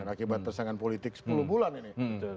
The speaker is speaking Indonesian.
akibat tersangan politik sepuluh bulan ini